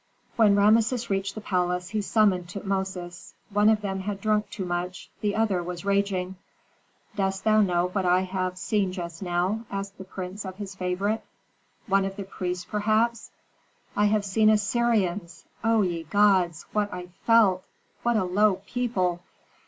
When Rameses reached the palace, he summoned Tutmosis. One of them had drunk too much, the other was raging. "Dost thou know what I have seen just now?" asked the prince of his favorite. "One of the priests, perhaps." "I have seen Assyrians. O ye gods! what I felt! What a low people!